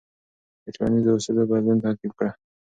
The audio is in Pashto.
د ټولنیزو اصولو بدلون تعقیب کړه.